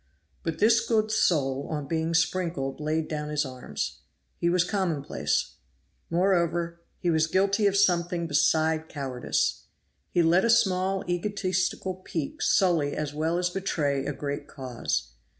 But this good soul on being sprinkled laid down his arms; he was commonplace. Moreover, he was guilty of something beside cowardice. He let a small egotistical pique sully as well as betray a great cause.